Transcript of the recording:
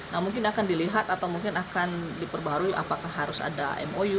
nah mungkin akan dilihat atau mungkin akan diperbarui apakah harus ada mou